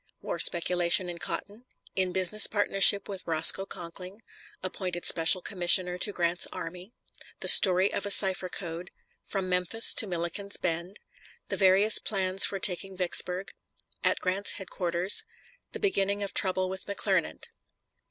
War speculation in cotton In business partnership with Roscoe Conkling Appointed special commissioner to Grant's army The story of a cipher code From Memphis to Milliken's Bend The various plans for taking Vicksburg At Grant's headquarters The beginning of trouble with McClernand.